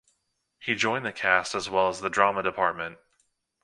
He joined the cast as well as the drama department.